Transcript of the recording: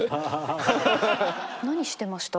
何してました？